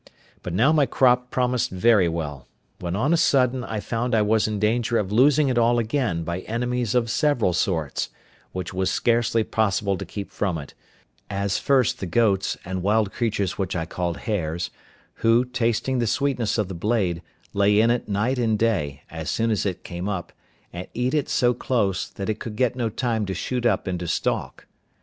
But now my crop promised very well, when on a sudden I found I was in danger of losing it all again by enemies of several sorts, which it was scarcely possible to keep from it; as, first, the goats, and wild creatures which I called hares, who, tasting the sweetness of the blade, lay in it night and day, as soon as it came up, and eat it so close, that it could get no time to shoot up into stalk.